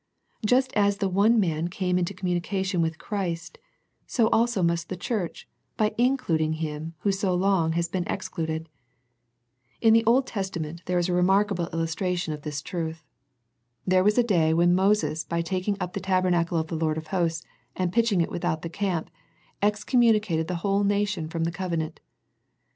Just as the one man came into communication with Christ, so also must the church by includ ing Him Who so long has been excluded. In the Old Testament there is a remarkable illus 2IO A First Century Message tration of this truth. There was a day when Moses by taking up the tabernacle of the Lord of Hosts, and pitching it without the camp, excommunicated the whole nation from the covenant.